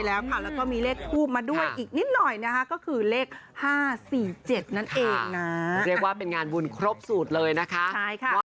แล้วมีเลขถูกมาฝากด้วย